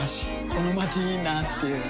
このまちいいなぁっていう